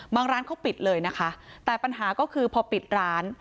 ร้านเขาปิดเลยนะคะแต่ปัญหาก็คือพอปิดร้าน